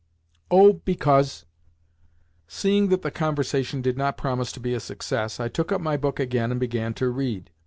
"Oh, because—" Seeing that the conversation did not promise to be a success, I took up my book again, and began to read.